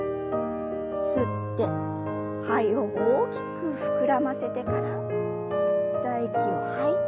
吸って肺を大きく膨らませてから吸った息を吐いて。